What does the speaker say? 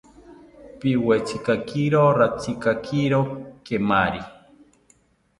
Piwetzikakiro ratzikakiro kemari